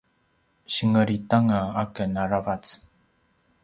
singelit anga aken aravac